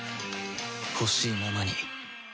ほしいままに